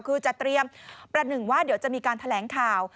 คือจะเตรียมประหนึ่งว่าเดี๋ยวจะมีการแถลงข่าว